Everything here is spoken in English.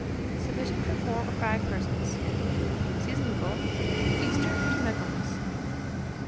Sufficient for 4 or 5 persons. Seasonable from Easter to Michaelmas.